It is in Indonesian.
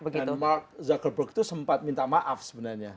dan mark zuckerberg itu sempat minta maaf sebenarnya